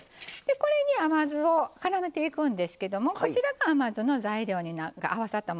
これに甘酢をからめていくんですけどもこちらが甘酢の材料が合わさったものになります。